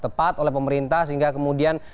tepat oleh pemerintah sehingga kemudian